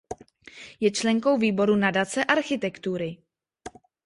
Je členkou výboru Nadace architektury.